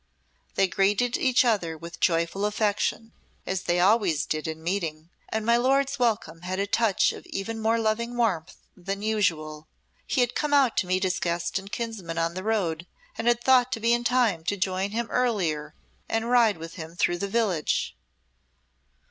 They greeted each other with joyful affection, as they always did in meeting, and my lord's welcome had a touch of even more loving warmth than usual. He had come out to meet his guest and kinsman on the road, and had thought to be in time to join him earlier and ride with him through the village.